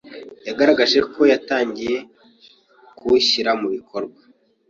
yagaragaje ko yatangiye kuwushyira mu bikorwa